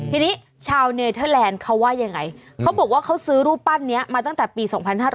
ทีนี้ชาวเนเทอร์แลนด์เขาว่ายังไงเขาบอกว่าเขาซื้อรูปปั้นนี้มาตั้งแต่ปี๒๕๕๙